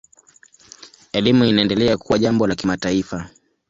Elimu inaendelea kuwa jambo la kimataifa.